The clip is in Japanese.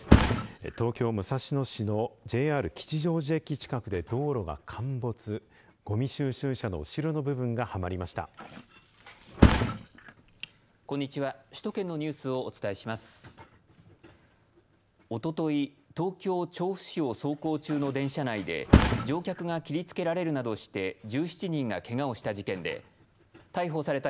東京武蔵野市のＪＲ吉祥寺駅近くで道路が陥没ごみ収集車の後ろの部分がはまりました。